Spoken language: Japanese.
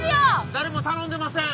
誰も頼んでません